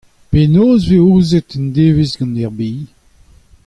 Penaos e vez aozet un devezh gant R B I ?